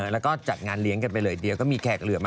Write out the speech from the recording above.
แล้วก็จัดงานเลี้ยงกันไปเลยเดี๋ยวก็มีแขกเหลือมา